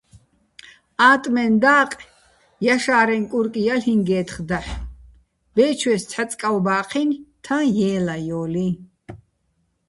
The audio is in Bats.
ა́ტმეჼ და́ყე̆ ჲაშა́რეჼ კურკო̆ ჲალ'იჼგე́თხ დაჰ̦; ბე́ჩვეს, ცჰ̦ა წკავ ბა́ჴინი̆, თაჼ ჲე́ლაჲოლიჼ.